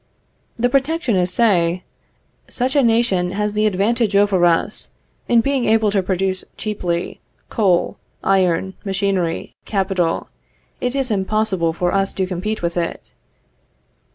The protectionists say, Such a nation has the advantage over us, in being able to procure cheaply, coal, iron, machinery, capital; it is impossible for us to compete with it.